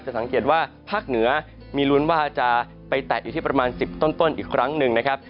สังเกตว่าภาคเหนือมีลุ้นว่าจะไปแตะอยู่ที่ประมาณ๑๐ต้นอีกครั้งหนึ่งนะครับ